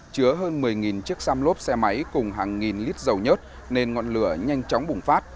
chứa hơn một mươi chiếc xăm lốp xe máy cùng hàng nghìn lít dầu nhất nên ngọn lửa nhanh chóng bùng phát